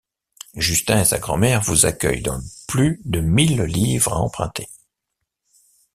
Justin et sa grand-mère vous accueillent dans plus de mille livres à emprunter.